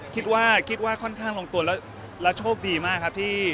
คิดว่าค่อนข้างลงตัวและโชคดีมากครับที่